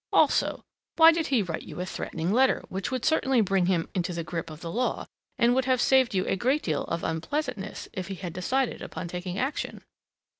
Also, why did he write you a threatening letter which would certainly bring him into the grip of the law and would have saved you a great deal of unpleasantness if he had decided upon taking action!"